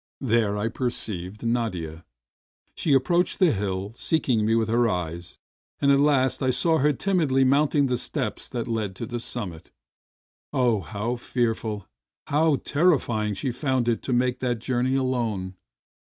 There I perceived Nadia. She approached the hill, seeking me with her eyes, and at last I saw her timidly mount ing the steps that led to the summit. Oh, how fearful, how terrifying she found it to make that journey alone!